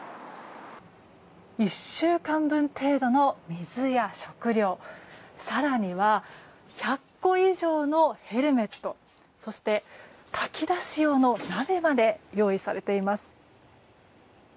１週間分程度の水や食料更には１００個以上のヘルメットそして、炊き出し用の鍋まで用意されています。